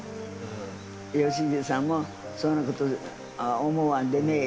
良英さんも、そんなこと思わんでもええ